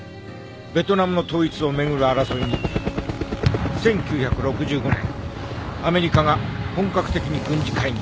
ベトナムの統一を巡る争いに１９６５年アメリカが本格的に軍事介入。